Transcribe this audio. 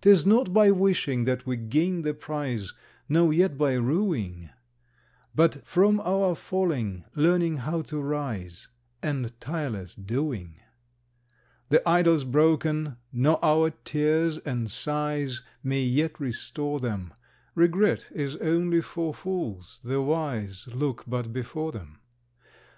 'Tis not by wishing that we gain the prize, Nor yet by ruing, But from our falling, learning how to rise, And tireless doing. The idols broken, nor our tears and sighs, May yet restore them. Regret is only for fools; the wise Look but before them.